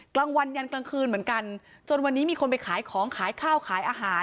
กลางวันยันกลางคืนเหมือนกันจนวันนี้มีคนไปขายของขายข้าวขายอาหาร